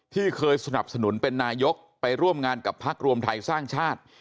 ที่เคยสนับสนุนเป็นนายกไปร่วมงานกับพักรวมไทยสร้างชาติ